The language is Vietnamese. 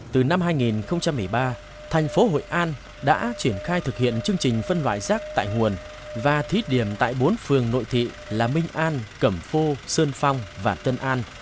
từ năm hai nghìn một mươi ba thành phố hội an đã triển khai thực hiện chương trình phân loại rác tại nguồn và thí điểm tại bốn phường nội thị là minh an cẩm phô sơn phong và tân an